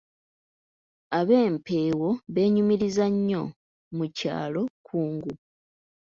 Ab'Empeewo beenyumiriza nnyo mu kyalo Kkungu.